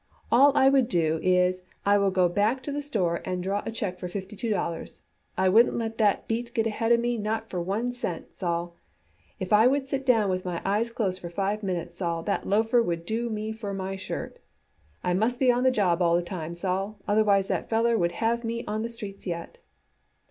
All I would do is I will go back to the store and draw a check for fifty two dollars. I wouldn't let that beat get ahead of me not for one cent, Sol. If I would sit down with my eyes closed for five minutes, Sol, that loafer would do me for my shirt. I must be on the job all the time, Sol, otherwise that feller would have me on the streets yet."